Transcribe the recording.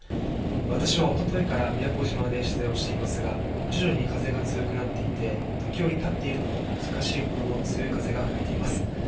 私はおとといから宮古島で取材をしていますが徐々に風が強くなっていて時折立っているのも難しいほどの強い風が吹いています。